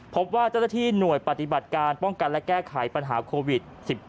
พบว่าเจ้าหน้าที่หน่วยปฏิบัติการป้องกันและแก้ไขปัญหาโควิด๑๙